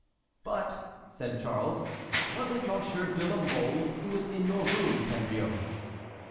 "But," said Charles, "was it Monsieur de la Mole who was in your rooms, Henriot?"